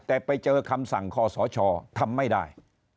แต่ไปเจอคำสั่งคอสชทำไม่ได้